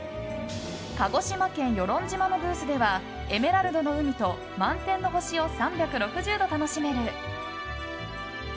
鹿児島県与論島のブースではエメラルドの海と満天の星を３６０度楽しめる。